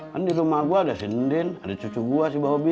kan di rumah gue ada sinden ada cucu gue si bawabi